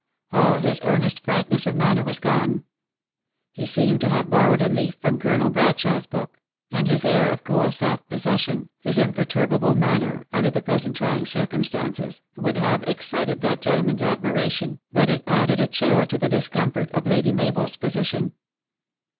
All his earnest frankness of manner was gone. He seemed to have borrowed a 17* 402 THE ACTRESS IN HIGH LIFE. leaf from Colonel Bradshawe s book ; and his air of cool self possession, his imperturbable manner, under the present trying circumstances, would have excited that gentleman s admiration, but it added a chill to the discomfort of Lady Mabel s position.